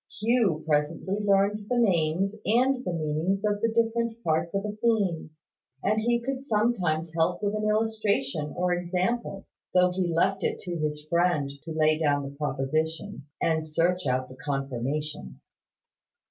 Hugh presently learned the names and the meanings of the different parts of a theme; and he could sometimes help with an illustration or example, though he left it to his friend to lay down the Proposition, and search out the Confirmation.